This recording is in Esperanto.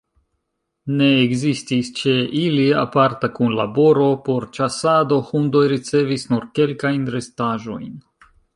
Ne ekzistis ĉe ili aparta kunlaboro por ĉasado, hundoj ricevis nur kelkajn restaĵojn.